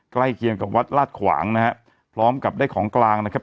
ใกล้เคียงกับวัดลาดขวางนะฮะพร้อมกับได้ของกลางนะครับ